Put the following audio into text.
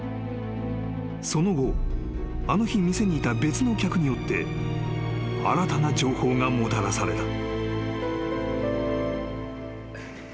［その後あの日店にいた別の客によって新たな情報がもたらされた］